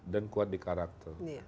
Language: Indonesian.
dan kuat di karakter